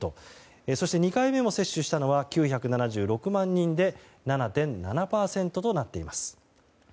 そして２回目も接種したのは９７６万人で７．７％となっています。